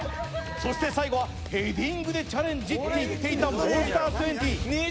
最後はヘディングでチャレンジといっていたモンスター２０。